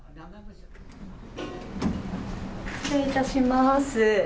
失礼いたします。